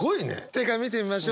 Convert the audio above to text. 正解見てみましょう。